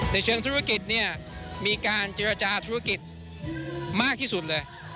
ในเชิงธุรกิจเนี่ยมีการเจรจาธุรกิจมากที่สุดเลย